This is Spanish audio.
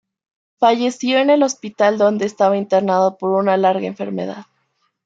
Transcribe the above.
Falleció en el hospital donde estaba internado por una larga enfermedad.